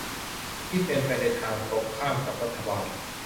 ที่เป็นไปในทางตรงข้ามกับรัฐบาล